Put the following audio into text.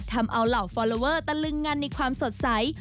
ทำเอาเหล่าฟอลลอเวอร์ตะลึงงันในความสดใส